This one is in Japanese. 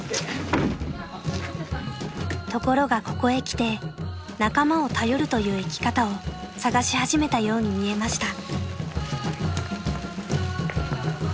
［ところがここへきて仲間を頼るという生き方を探し始めたように見えました］